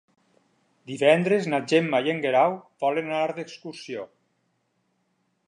Divendres na Gemma i en Guerau volen anar d'excursió.